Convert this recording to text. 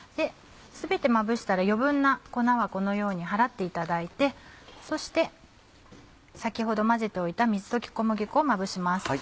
全てまぶしたら余分な粉はこのように払っていただいてそして先ほど混ぜておいた水溶き小麦粉をまぶします。